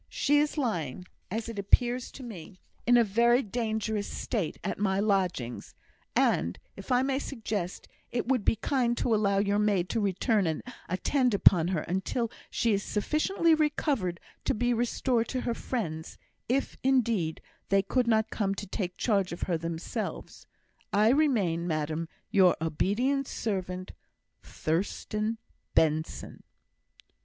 She is lying (as it appears to me) in a very dangerous state at my lodgings; and, if I may suggest, it would be kind to allow your maid to return and attend upon her until she is sufficiently recovered to be restored to her friends, if, indeed, they could not come to take charge of her themselves. I remain, madam, Your obedient servant, THURSTAN BENSON.